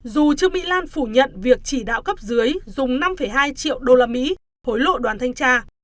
dù trương mỹ lan phủ nhận việc chỉ đạo cấp dưới dùng năm hai triệu usd hối lộ đoàn thanh tra